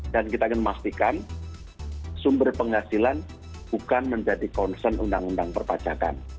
dan kita akan memastikan sumber penghasilan bukan menjadi konsen undang undang perpajakan